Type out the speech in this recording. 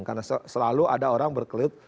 karena selalu ada orang berkelit